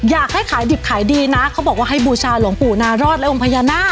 อยากให้ขายดิบขายดีนะเขาบอกว่าให้บูชาหลวงปู่นารอดและองค์พญานาค